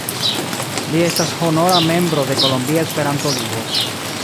Li estas honora membro de Kolombia Esperanto-Ligo.